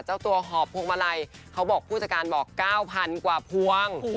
เจ้าตัวหอบพวงมาลัยเขาบอกผู้จัดการบอก๙๐๐กว่าพวง